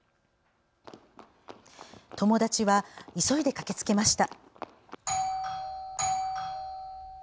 友達は急いで駆けつけました。